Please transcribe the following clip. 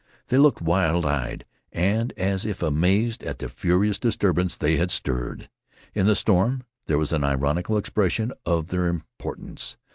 They looked wild eyed, and as if amazed at this furious disturbance they had stirred. In the storm there was an ironical expression of their importance.